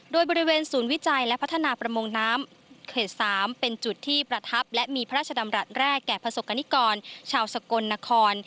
โดยบริเวณศูนย์วิจัยและพัฒนาประมงน้ำเขต๓เป็นจุดที่ประทับและมีพระราชดำรัฐแรกแก่ประสบกรณิกรชาวสกลนคร